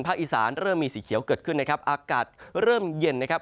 อีสานเริ่มมีสีเขียวเกิดขึ้นนะครับอากาศเริ่มเย็นนะครับ